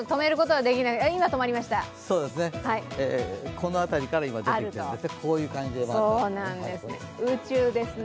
この辺りから今出てきているということですね。